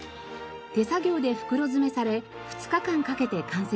手作業で袋詰めされ２日間かけて完成します。